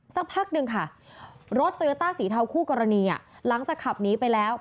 สักพักหนึ่งค่ะรถโตโยต้าสีเทาคู่กรณีหลังจากขับหนีไปแล้ว